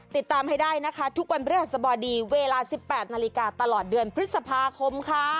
ติดตามให้ได้นะคะทุกวันพฤหัสบดีเวลา๑๘นาฬิกาตลอดเดือนพฤษภาคมค่ะ